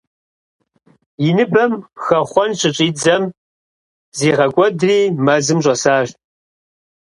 И ныбэм хэхъуэн щыщӀидзэм, зигъэкӀуэдри, мэзым щӀэсащ.